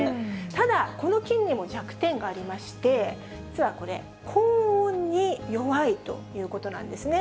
ただ、この菌にも弱点がありまして、実はこれ、高温に弱いということなんですね。